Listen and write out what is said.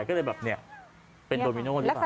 ก็เลยแบบเนี่ยเป็นโดมิโน่หรือเปล่า